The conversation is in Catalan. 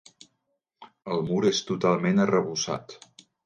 El mur és totalment arrebossat.